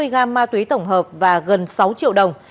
gà ma túy tổng hợp và gần sáu triệu đồng